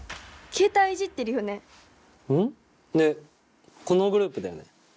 えっこのグループだよね？